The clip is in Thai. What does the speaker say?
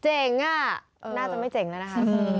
เจ๋งอ่ะน่าจะไม่เจ๋งแล้วนะคะ